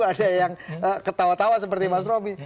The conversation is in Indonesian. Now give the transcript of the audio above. ada yang ketawa tawa seperti mas romi